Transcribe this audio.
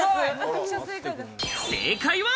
正解は。